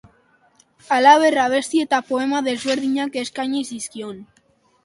Halaber abesti eta poema desberdinak eskaini zizkion.